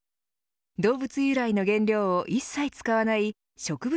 動物由来の原料を一切使わない植物